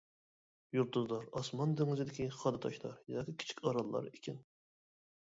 يۇلتۇزلار ئاسمان دېڭىزىدىكى خادا تاشلار ياكى كىچىك ئاراللار ئىكەن.